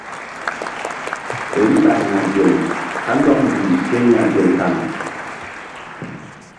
Riɓa ya̧ gel kandɔk mbih ya̧ gel kan.